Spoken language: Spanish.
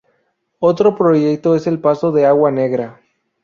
Otro proyecto es el Paso de Agua Negra.